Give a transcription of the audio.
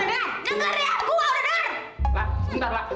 enak banget ya